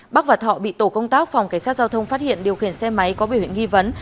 bắc và thọ bị tổ công tác phòng cảnh sát giao thông phát hiện điều khiển xe máy có biểu hiện nghi vấn